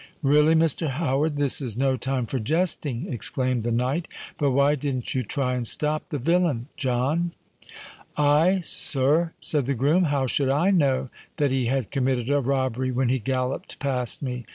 "Really, Mr. Howard, this is no time for jesting," exclaimed the knight. "But why didn't you try and stop the Villain, John?" "I, sir!" said the groom. "How should I know that he had committed a robbery when he galloped past me?